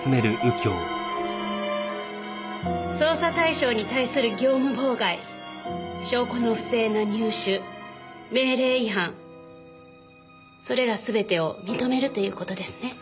捜査対象に対する業務妨害証拠の不正な入手命令違反それらすべてを認めるという事ですね？